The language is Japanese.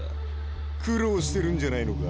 後悔してんじゃないのか？